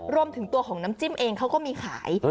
รวมถึงตัวของน้ำจิ้มเองเขาก็มีขาย